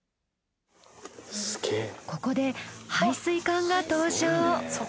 ここで排水管が登場。